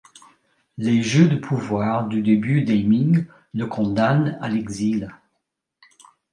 Les jeux de pouvoir du début des Ming le condamne à l'exil.